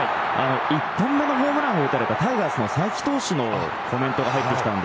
１本目のホームランを打たれたタイガースの才木投手のコメントです。